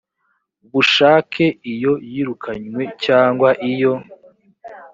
bushake iyo yirukwanywe cyangwa iyo